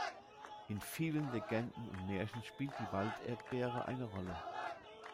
In vielen Legenden und Märchen spielt die Walderdbeere eine Rolle.